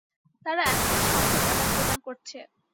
তারা এখনও সংকেত আদান-প্রদান করছে।